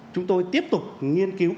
chúng tôi tiếp tục nghiên cứu